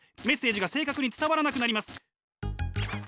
メッセージが正確に伝わらなくなります。